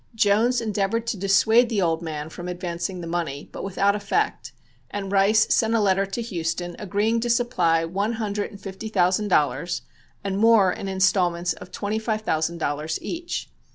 Jones endeavored to dissuade the old man from advancing the money, but without effect, and Rice sent a letter to Houston agreeing to supply one hundred and fifty thousand dollars and more in instalments of twenty five thousand dollars each.